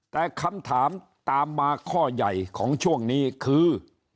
แต่คำถามตามมาข้อใหญ่ของช่วงนี้คือ